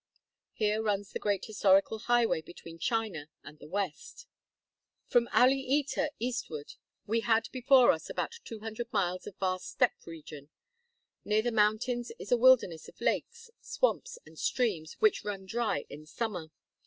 Here runs the great historical highway between China and the West. From Auli eta eastward we had before us about 200 miles of a vast steppe region. Near the mountains is a wilderness of lakes, swamps, and streams, which run dry in summer.